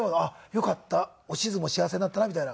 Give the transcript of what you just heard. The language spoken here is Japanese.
よかったおしずも幸せになったなみたいな。